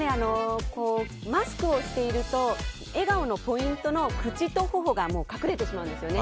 マスクをしていると笑顔のポイントの口と頬が隠れてしまうんですよね。